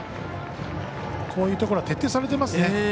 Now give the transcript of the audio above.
こういうところは徹底されていますね。